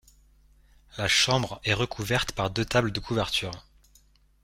La chambre est recouverte par deux tables de couverture.